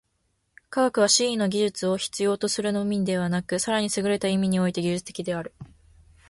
科学は思惟の技術を必要とするのみでなく、更にすぐれた意味において技術的である。